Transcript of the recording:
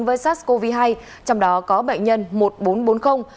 với sars cov hai trong đó có bệnh nhân một nghìn bốn trăm bốn mươi